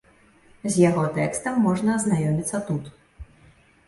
З яго тэкстам можна азнаёміцца тут.